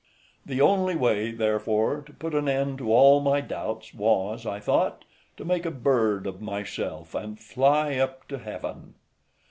{165a} The only way, therefore, to put an end to all my doubts, was, I thought, to make a bird of myself, and fly up to heaven.